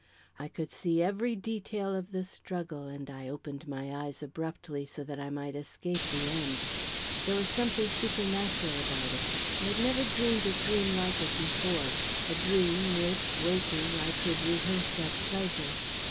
I could see every detail of the struggle, and I opened my eyes abruptly so that I might escape the end. There was something supernatural about it; I had never dreamed a dream like that before a dream which, waking, I could rehearse at pleasure.